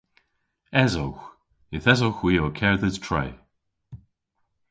Esowgh. Yth esowgh hwi ow kerdhes tre.